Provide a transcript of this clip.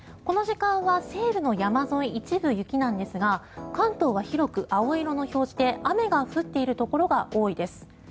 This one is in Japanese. この時間は西部の山沿い、一部雪なんですが関東は広く青色の表示で雨が降っているところが多いです。